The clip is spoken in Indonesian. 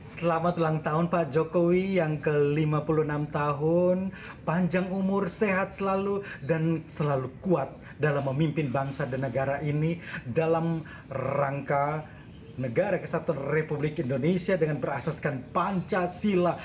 selamat ulang tahun pak jokowi yang ke lima puluh enam tahun panjang umur sehat selalu dan selalu kuat dalam memimpin bangsa dan negara ini dalam rangka negara kesatuan republik indonesia dengan berasaskan pancasila